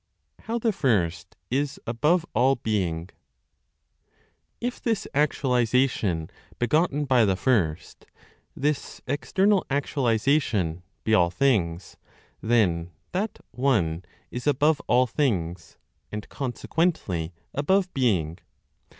HOW THE FIRST IS ABOVE ALL BEING. If this (actualization begotten by the First, this external actualization) be all things, then that (One) is above all things, and consequently above being.